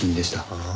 ああ。